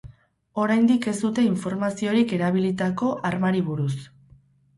Oraindik ez dute informaziorik erabilitako armari buruz.